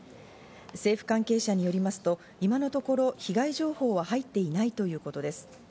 政府関係者によりますと、今のところ被害情報は入っていないということです。